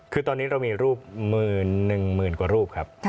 คือตอนนี้เรามีรูปหมื่นหนึ่งหมื่นกว่ารูปครับ